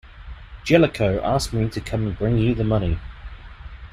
Jellicoe asked me to come and bring you the money.